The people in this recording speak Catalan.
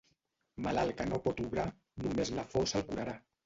Malalt que no pot obrar, només la fossa el curarà.